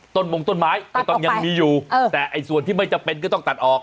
มงต้นไม้ก็ต้องยังมีอยู่แต่ส่วนที่ไม่จำเป็นก็ต้องตัดออก